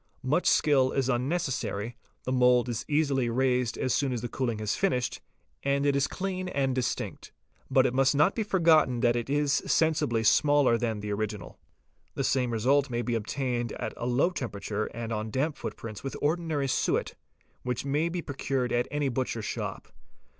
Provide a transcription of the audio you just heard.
Much skill is un necessary, the mould is easily raised as soon as the cooling has finished, and is clean and distinct. But it must not be forgotten that it is sensibly smaller than the original. | The same result may be obtained at a low temperature and on damp footprints with ordinary suet, which may be procured at any butcher's | shop.